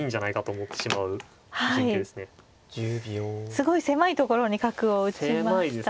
すごい狭いところに角を打ちましたが。